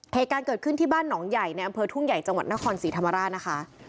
เหตุการณ์เกิดขึ้นที่บ้านหนองใหญ่ในอำเภอทุ่งใหญ่จังหวัดนครศรีธรรมราชนะคะ